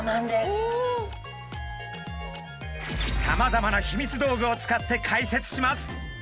さまざまなヒミツ道具を使って解説します。